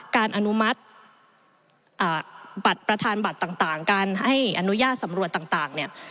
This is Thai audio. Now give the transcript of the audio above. การอนุมัติประทานบัตรต่างการให้อนุญาตสำรวจต่าง